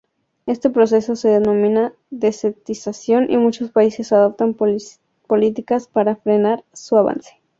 Este proceso se denomina desertización y muchos países adoptan políticas para frenar su avance.